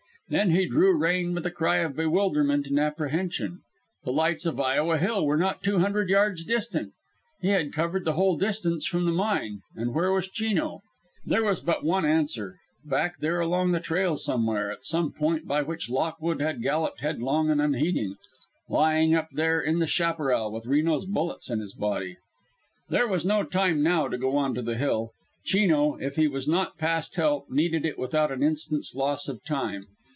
Then he drew rein with a cry of bewilderment and apprehension. The lights of Iowa Hill were not two hundred yards distant. He had covered the whole distance from the mine, and where was Chino? There was but one answer: back there along the trail somewhere, at some point by which Lockwood had galloped headlong and unheeding, lying up there in the chaparral with Reno's bullets in his body. There was no time now to go on to the Hill. Chino, if he was not past help, needed it without an instant's loss of time.